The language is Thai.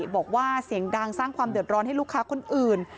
บอกว่าเสียงดังสร้างความเดือดร้อนให้ลูกค้าคนอื่น